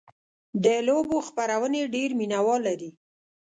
د لوبو خپرونې ډېر مینهوال لري.